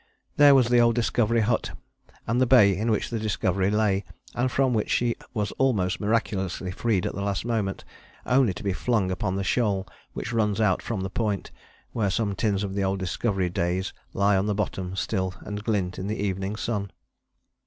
There was the old Discovery hut and the Bay in which the Discovery lay, and from which she was almost miraculously freed at the last moment, only to be flung upon the shoal which runs out from the Point, where some tins of the old Discovery days lie on the bottom still and glint in the evening sun.